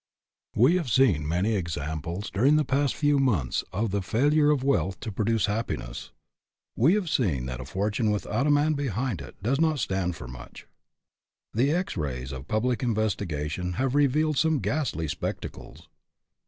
E have seen many painful examples during the past few months of the failure of wealth to produce happi ness. We have seen that a fortune without a man behind it does not stand for much. The X rays of public investigation have revealed some ghastly spectacles.